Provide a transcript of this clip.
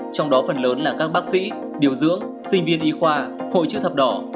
trong đó phần lớn là các bác sĩ điều dưỡng sinh viên y khoa hội chữ thập đỏ